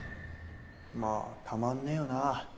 まあたまんねえよなぁ。